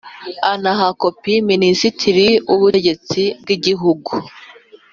anaha kopi Minisitiri w’Ubutegetsi bw’igihugu